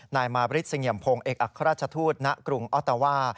นายมาริสิเงียมพงศ์เอกอักราชทูตณกรุงอตวา